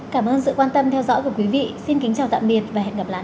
cảm ơn sự quan tâm theo dõi của quý vị xin kính chào tạm biệt và hẹn gặp lại